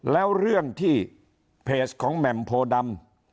แล้วเรื่องที่เพจของแหม่มโพดำ